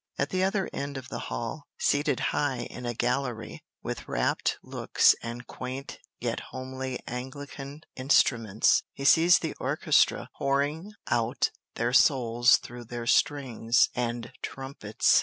At the other end of the hall, seated high in a gallery, with rapt looks and quaint yet homely angelican instruments, he sees the orchestra pouring out their souls through their strings and trumpets.